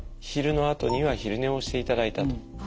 昼のあとには昼寝をしていただいたと。